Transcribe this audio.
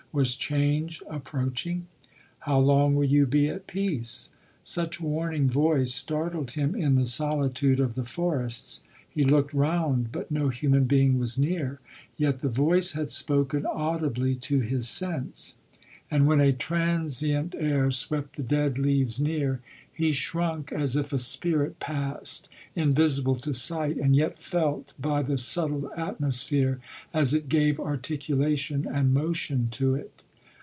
Was change approaching ?" How long will you be at peace?" Such warning voice startled him in the solitude of the forests : he looked round, but no human being was near, yet the voice had spoken audibly to his sense ; and when a transient air swept the dead Leaves near, he shrunk as if a spirit passed, invisible to sight, and yet felt by the subtle atmosphere, as it gave articulation and motion to it.